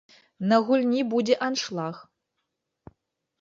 На гульні будзе аншлаг.